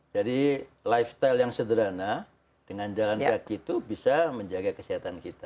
jadi lifestyle yang sederhana dengan jalan kaki itu bisa menjaga kesehatan kita